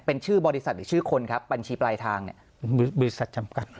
เป็นชื่อบริษัทหรือชื่อคนครับบัญชีปลายทางเนี่ยบริษัทจำกัด